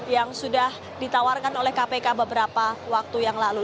yang sudah ditawarkan oleh kpk beberapa waktu yang lalu